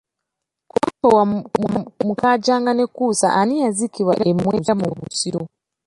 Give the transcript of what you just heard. Ku Bambowa Mukaajanga ne Kkunsa ani eyaziikibwa e Mwera mu Busiro?